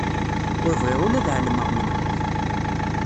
Ur bɣiɣ ula ad ɛelmeɣ menhu-k.